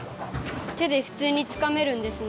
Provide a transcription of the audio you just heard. てでふつうにつかめるんですね。